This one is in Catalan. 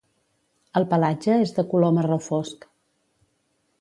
El pelatge és de color marró fosc.